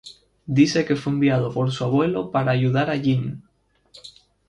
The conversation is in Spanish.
Dice que fue enviado por su abuelo para ayudar a Jin.